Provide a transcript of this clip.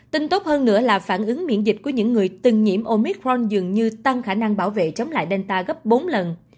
tin tốt hơn nữa là phản ứng miễn dịch của những người từng nhiễm omicron dường như tăng khả năng bảo vệ chống lại delta gấp bốn lần